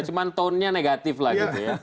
cuma tone nya negatif lagi